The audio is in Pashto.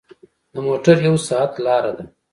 د موټر یو ساعت لاره ده.